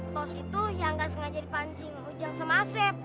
paus itu yang gak sengaja dipancing ujang sama sep